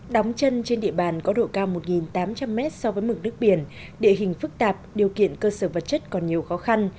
đóng chân trên địa bàn có độ cao một tám trăm linh m so với mực nước biển địa hình phức tạp điều kiện cơ sở vật chất còn nhiều khó khăn